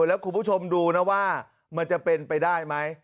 แล้วคุณผู้ชมดูนะว่ามันจะเป็นไปได้ไหม